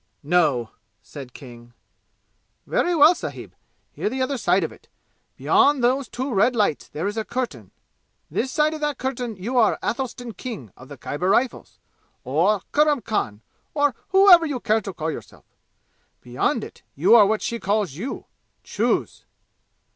"No!" said King. "Very well, sahib! Hear the other side of it! Beyond those two red lights there is a curtain. This side of that curtain you are Athelstan King of the Khyber Rifles, or Kurram Khan, or whatever you care to call yourself. Beyond it, you are what she calls you! Choose!"